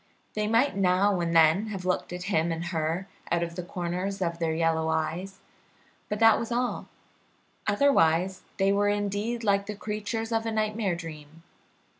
They might now and then have looked at him and her out of the corners of their yellow eyes, but that was all; otherwise they were indeed like the creatures of a nightmare dream.